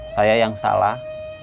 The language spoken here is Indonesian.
saya yang salah